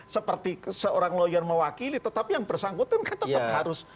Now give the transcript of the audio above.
seperti seorang lawyer mewakili tetapi yang bersangkutan kan tetap harus